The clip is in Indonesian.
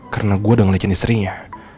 karena gue udah ngelicen istrinya